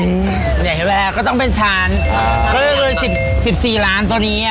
เนี้ยแวะแวะก็ต้องเป็นฉันอ่าคือคือสิบสี่ล้านตัวนี้อ่ะ